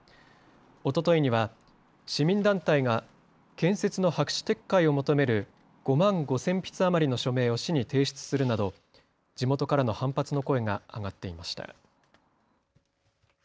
おとといには市民団体が建設の白紙撤回を求める５万５０００筆余りの署名を市に提出するなど地元からの反発の声が上がっていました。